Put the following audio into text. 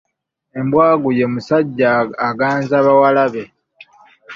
Embwagu ye musajja aganza bawala be.